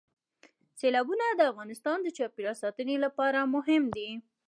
سیلابونه د افغانستان د چاپیریال ساتنې لپاره مهم دي.